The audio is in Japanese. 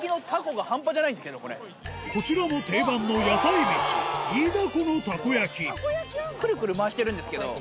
こちらも定番の屋台飯タコが。